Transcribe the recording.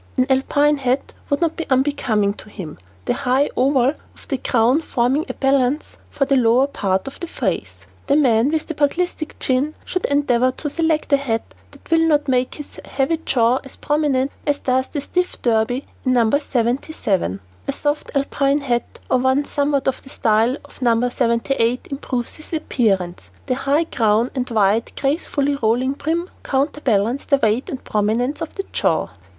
An alpine hat would not be unbecoming to him, the high oval of the crown forming a balance for the lower part of the face. [Illustration: NO. 75] [Illustration: NO. 76] The man with a pugilistic chin should endeavor to select a hat that will not make his heavy jaw as prominent as does the stiff derby, in No. 77. [Illustration: NO. 77] A soft alpine hat, or one somewhat of the style of No. 78, improves his appearance. The high crown and wide, gracefully rolling brim counter balance the weight and prominence of the jaw.